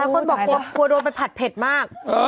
คนบอกกลัวโดนไปผัดเผ็ดมาก